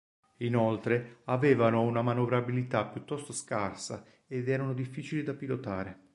Inoltre, avevano una manovrabilità piuttosto scarsa ed erano difficili da pilotare.